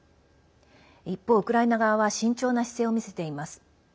一方、ウクライナ側は慎重な姿勢を見せています。